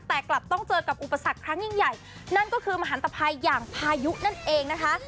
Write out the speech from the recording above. แต่กลับต้องเจอกับอุปสรรคครั้งยิ่งใหญ่นั่นก็คือมหันตภัยอย่างพายุนั่นเองนะคะ